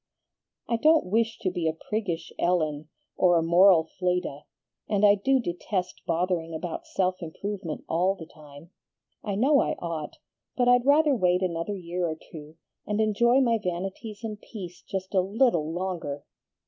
"I don't want to be a priggish Ellen, or a moral Fleda, and I do detest bothering about self improvement all the time. I know I ought, but I'd rather wait another year or two, and enjoy my vanities in peace just a LITTLE longer."